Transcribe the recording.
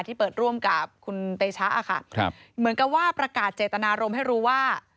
ที่เปิดร่วมกับคุณเตชะค่ะครับเหมือนกับว่าประกาศเจตนารมณ์ให้รู้ว่า